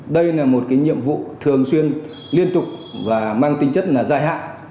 đây là một nhiệm vụ thường xuyên liên tục và mang tinh chất dài hạn